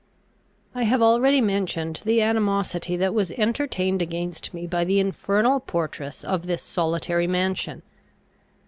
I have already mentioned the animosity that was entertained against me by the infernal portress of this solitary mansion.